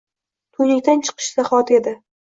Tuynukdan chiqishi zahoti edi.